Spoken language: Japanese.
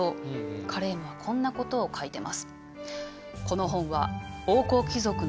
カレームはこんなことを書いてます。